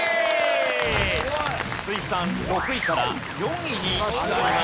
筒井さん６位から４位に上がります。